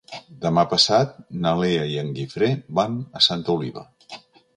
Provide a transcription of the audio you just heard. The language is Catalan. Demà passat na Lea i en Guifré van a Santa Oliva.